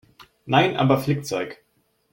Nein, aber Flickzeug.